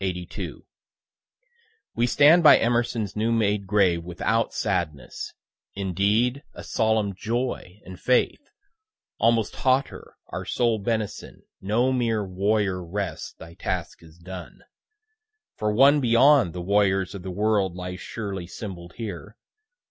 _ We stand by Emerson's new made grave without sadness indeed a solemn joy and faith, almost hauteur our soul benison no mere "Warrior, rest, thy task is done," for one beyond the warriors of the world lies surely symboll'd here.